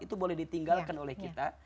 itu boleh ditinggalkan oleh kita